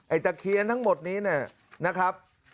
ไอ้ตะเคียนทั้งหมดนี้นะครับ